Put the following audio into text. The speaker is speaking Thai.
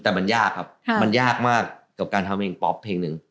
แต่มันยากครับมันยากมากกับการทำเพลงป๊อปเพลงหนึ่ง